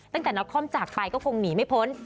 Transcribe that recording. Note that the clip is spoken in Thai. ตั้งแต่นครจากไปก็คงหนีไม่พ้น